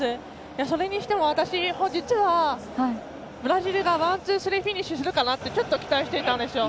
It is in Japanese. それにしても私、実はブラジルがワン、ツー、スリーフィニッシュするかなとちょっと期待してたんですよ。